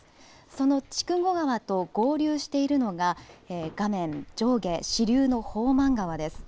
その筑後川と合流しているのが画面上下、支流の宝満川です。